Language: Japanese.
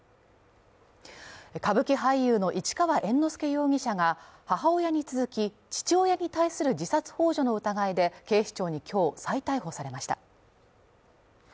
歌舞伎俳優の市川猿之助容疑者が母親に続き、父親に対する自殺ほう助の疑いで警視庁に今日、再逮捕されました。